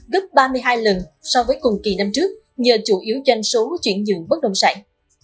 gấp ba mươi hai lần so với cùng kỳ năm trước nhờ chủ yếu doanh số chuyển dựng bất đồng sản